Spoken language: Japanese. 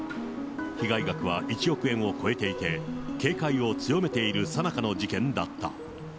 被害額は１億円を超えていて、警戒を強めているさなかの事件だった。